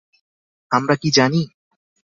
আমরা কি জানি?